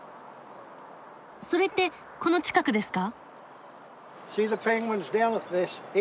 それってこの近くですか？